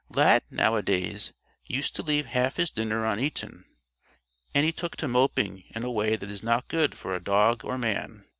Lad, nowadays, used to leave half his dinner uneaten, and he took to moping in a way that is not good for dog or man.